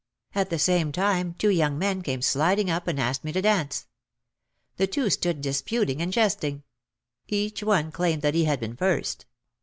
At the same time two young men came sliding up and asked me to dance. The two stood disputing and jesting. Each one claimed that he had been first.